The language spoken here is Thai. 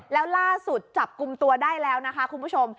แล้วล่าสุดจับกลุ่มตัวได้แล้วนะคะคุณผู้ชม